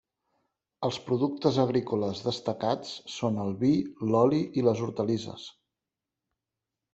Els productes agrícoles destacats són el vi, l'oli i les hortalisses.